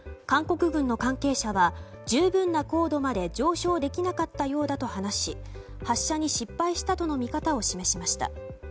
韓国軍の関係者は十分な高度まで上昇できなかったようだと話し発射に失敗したとの見方を示しました。